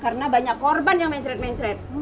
karena banyak korban yang mencret mencret